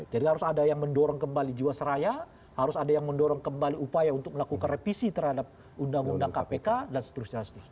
jadi harus ada yang mendorong kembali jawa seraya harus ada yang mendorong kembali upaya untuk melakukan revisi terhadap undang undang kpk dan seterusnya